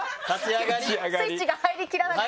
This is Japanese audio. スイッチが入りきらなかった？